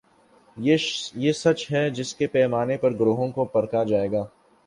یہ سچ ہے جس کے پیمانے پر گروہوں کو پرکھا جائے گا۔